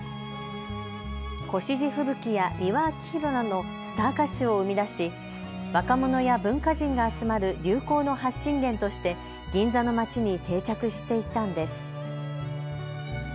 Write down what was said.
越路吹雪や美輪明宏などスター歌手を生み出し若者や文化人が集まる流行の発信源として銀座の街に定着していたんです。